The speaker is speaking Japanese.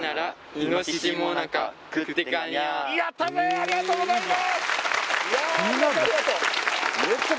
ありがとうございます